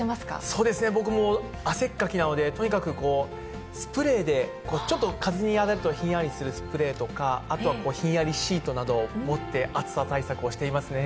そうですね、僕もう汗っかきなので、とにかくスプレーで、ちょっと風に当てるとひんやりするスプレーとか、あとはひんやりシートなどを持って、暑さ対策をしていますね。